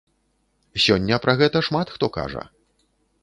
Сёння пра гэта шмат хто кажа.